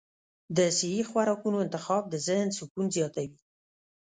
د صحي خوراکونو انتخاب د ذهن سکون زیاتوي.